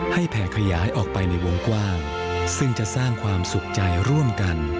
แผ่ขยายออกไปในวงกว้างซึ่งจะสร้างความสุขใจร่วมกัน